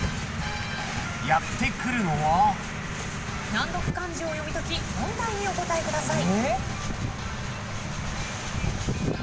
難読漢字を読み解き問題にお答えください。